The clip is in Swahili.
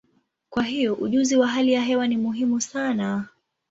Kwa hiyo, ujuzi wa hali ya hewa ni muhimu sana.